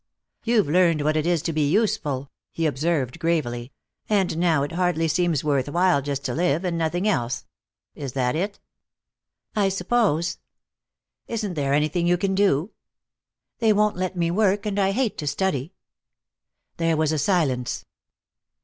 "You've learned what it is to be useful," he observed gravely, "and now it hardly seems worth while just to live, and nothing else. Is that it?" "I suppose." "Isn't there anything you can do?" "They won't let me work, and I hate to study." There was a silence.